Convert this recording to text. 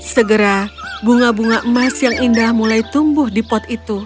segera bunga bunga emas yang indah mulai tumbuh di pot itu